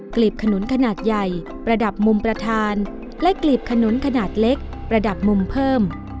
ลีบขนุนขนาดใหญ่ประดับมุมประธานและกลีบขนุนขนาดเล็กประดับมุมเพิ่ม